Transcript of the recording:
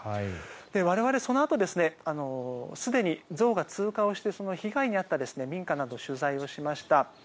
我々、そのあとすでにゾウが通過をして被害に遭った民家などを取材をしました。